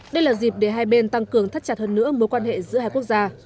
đây là dịp để hai bên tăng cường thắt chặt hơn nữa mối quan hệ giữa hai quốc gia